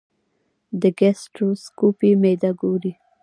د ګیسټروسکوپي معده ګوري.